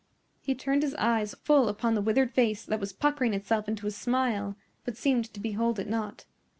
He turned his eyes full upon the withered face that was puckering itself into a smile, but seemed to behold it not.